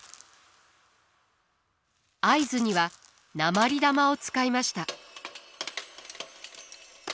合図には鉛玉を使いました。